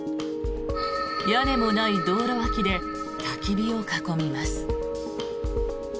屋根もない道路脇でたき火を囲みます。